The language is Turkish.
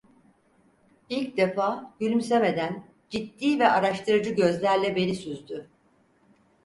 İlk defa, gülümsemeden, ciddi ve araştırıcı gözlerle beni süzdü.